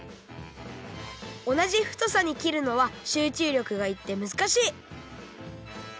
おなじふとさにきるのはしゅうちゅうりょくがいってむずかしい！